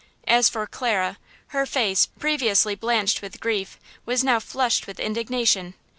As for Clara, her face, previously blanched with grief, was now flushed with indignation.